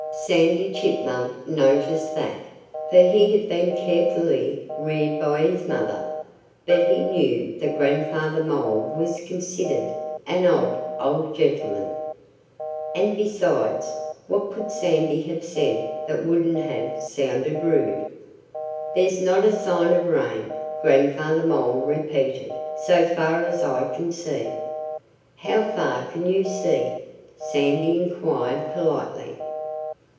Sandy Chipmunk noticed that, for he had been carefully reared by his mother. But he knew that Grandfather Mole was considered an odd old gentleman. And besides, what could Sandy have said that wouldn't have sounded rude? "There's not a sign of rain," Grandfather Mole repeated, "so far as I can see." "How far can you see?" Sandy inquired politely.